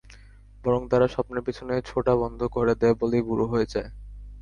বরং তারা স্বপ্নের পেছনে ছোটা বন্ধ করে দেয় বলেই বুড়ো হয়ে যায়।